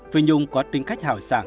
vì nhung có tính cách hào sản chân sết